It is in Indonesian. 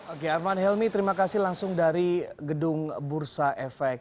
oke arman helmi terima kasih langsung dari gedung bursa efek